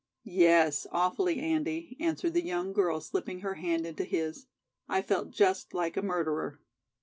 "Yes, awfully, Andy," answered the young girl, slipping her hand into his. "I felt just like a murderer."